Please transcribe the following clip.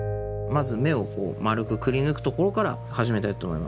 まず目をまるくくりぬくところから始めたいと思います。